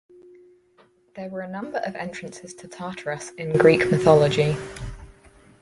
There were a number of entrances to Tartarus in Greek mythology.